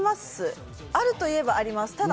あるといえばあります。